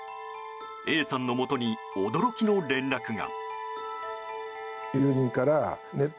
Ａさんのもとに驚きの連絡が。